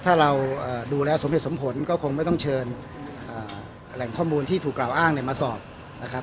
ถ้าเราดูแล้วสมเหตุสมผลก็คงไม่ต้องเชิญแหล่งข้อมูลที่ถูกกล่าวอ้างมาสอบนะครับ